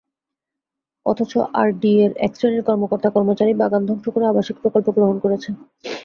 অথচ আরডিএর একশ্রেণীর কর্মকর্তা-কর্মচারী বাগান ধ্বংস করে আবাসিক প্রকল্প গ্রহণ করেছে।